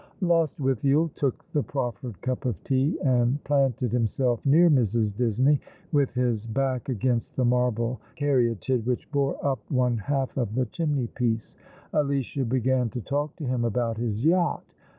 Lostwithiel took the proffered cup of tea, and plantel himself near Mrs. Disney, with his back against the marble caryatid which bore up one half of the chimncy piccc. Alicia began to talk to him about his yacht.